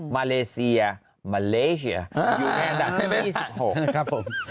มาเลเซียมาเลเซียอยู่ในอันดับใช่ไหม๒๖นะครับผม